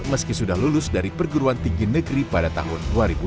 meski sudah lulus dari perguruan tinggi negeri pada tahun dua ribu dua puluh